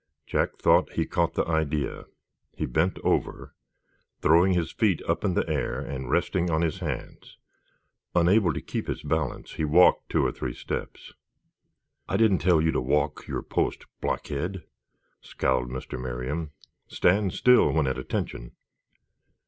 Jack thought he caught the idea. He bent over, throwing his feet up in the air and resting on his hands. Unable to keep his balance, he walked two or three steps. "I didn't tell you to walk your post, blockhead!" scowled Mr. Merriam. "Stand still when at attention."